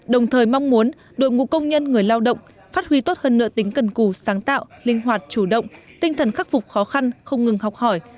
đồng thời mong muốn đội ngũ công nhân người lao động phát huy tốt hơn nợ tính cần cù sáng tạo linh hoạt chủ động tinh thần khắc phục khó khăn không ngừng học hỏi